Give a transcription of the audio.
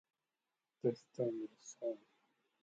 Local pubs include the "Mowden".